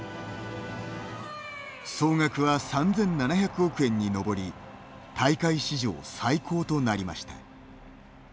総額は３７００億円に上り大会史上最高となりました。